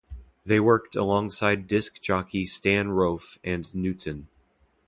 They worked alongside disc jockey Stan Rofe and Newton.